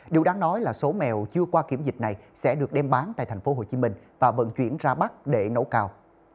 điều đáng nói là số mèo chưa qua kiểm dịch này sẽ được đem bán tại thành phố hồ chí minh và vận chuyển ra bắc để nấu cào